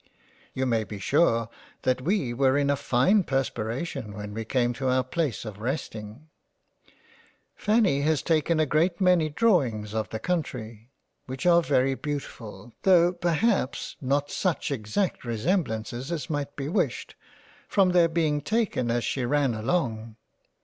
You may be sure that we were in a fine perspiration when we came to our place of rest ing. Fanny has taken a great many Drawings of the Country, which are very beautiful, tho' perhaps not such exact resem blances as might be wished, from their being taken as she ran along.